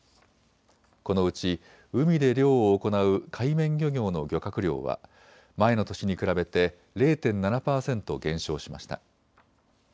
このうち海で漁を行う海面漁業の漁獲量は前の年に比べて０．７％減少しました。